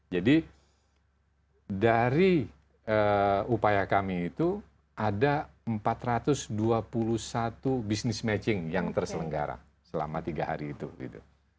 jadi dari upaya kami itu ada empat ratus dua puluh satu business matching yang terselenggara selama tiga hari itu gitu